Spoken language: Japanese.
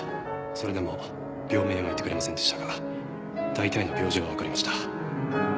それでも病名は言ってくれませんでしたが大体の病状はわかりました。